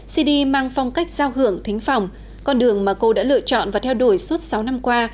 cd mang phong cách giao hưởng thính phòng con đường mà cô đã lựa chọn và theo đuổi suốt sáu năm qua